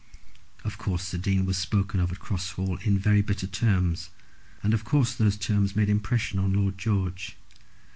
Of course the Dean was spoken of at Cross Hall in very bitter terms, and of course those terms made impression on Lord George.